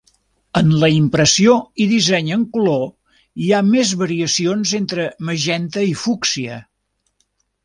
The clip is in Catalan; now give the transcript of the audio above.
En la impressió i disseny en color, hi ha més variacions entre magenta i fúcsia.